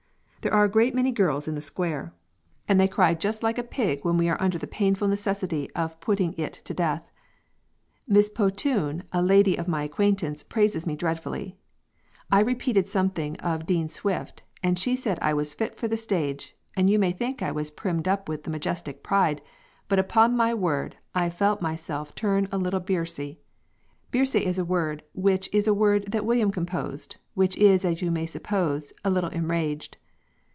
There are a great many Girls in the Square and they cry just like a pig when we are under the painfull necessity of putting it to Death. Miss Potune a Lady of my acquaintance praises me dreadfully. I repeated something out of Dean Swift and she said I was fit for the stage and you may think I was primmed up with majestick Pride but upon my word I felt myselfe turn a little birsay birsay is a word which is a word that William composed which is as you may suppose a little enraged.